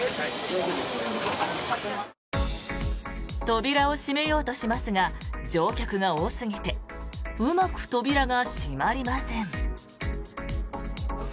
扉を閉めようとしますが乗客が多すぎてうまく扉が閉まりません。